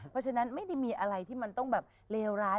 ข้างในมีอะไรที่มันต้องแบบเลวร้าย